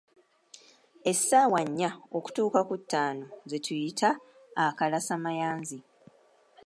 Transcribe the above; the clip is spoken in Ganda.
Essaawa nnya okutuuka ku ttaano ze tuyita "akalasa mayanzi" .